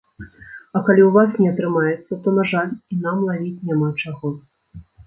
А калі ў вас не атрымаецца, то, на жаль, і нам лавіць няма чаго.